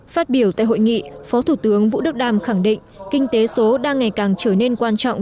phát biểu tại hội nghị phó thủ tướng vũ đức đam khẳng định kinh tế số đang ngày càng trở nên quan trọng